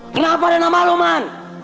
kenapa ada nama lo man